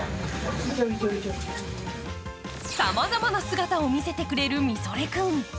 さまざまな姿を見せてくれるミゾレ君。